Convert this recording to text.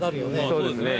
そうですね。